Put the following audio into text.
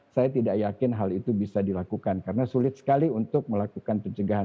saya tidak yakin hal itu bisa dilakukan karena sulit sekali untuk melakukan pencegahan